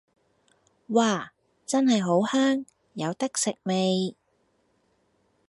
嘩！真係好香，有得食未